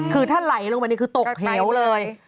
คือถ้าไหลลงไปนี่คือตกเหวเลย